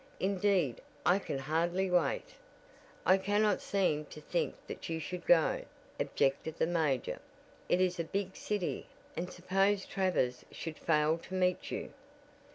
Indeed, I can hardly wait." "I cannot seem to think that you should go," objected the major. "It is a big city, and suppose Travers should fail to meet you?"